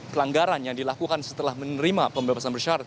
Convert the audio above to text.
pelanggaran yang dilakukan setelah menerima pembebasan bersyarat